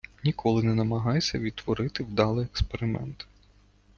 Ніколи не намагайся відтворити вдалий експеримент.